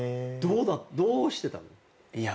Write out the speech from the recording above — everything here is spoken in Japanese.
どうしてたの？